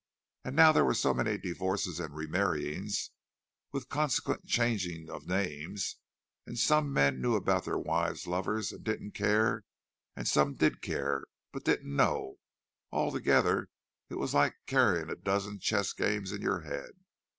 And now there were so many divorces and remarryings, with consequent changing of names; and some men knew about their wives' lovers and didn't care, and some did care, but didn't know—altogether it was like carrying a dozen chess games in your head.